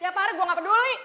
tiap hari gue gak peduli